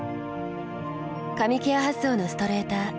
髪ケア発想のストレーター。